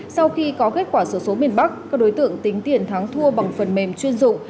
sau khi có kết quả số số miền bắc các đối tượng tính tiền thắng thua bằng phần mềm chuyên dụng